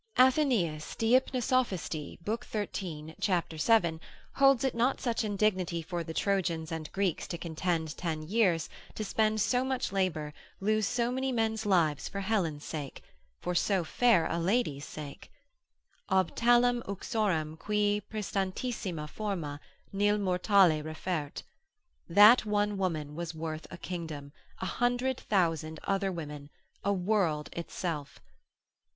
Athenaeus Deipnosophist, lib. 13. cap. 7, holds it not such indignity for the Trojans and Greeks to contend ten years, to spend so much labour, lose so many men's lives for Helen's sake, for so fair a lady's sake, Ob talem uxorem cui praestantissima forma, Nil mortale refert. That one woman was worth a kingdom, a hundred thousand other women, a world itself.